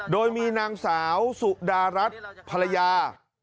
โดยมีนางสาวสุดารัฐภรรยา